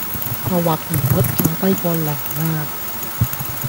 個或然率仲低過零呀.